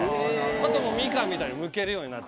ホントもうミカンみたいにむけるようになってる。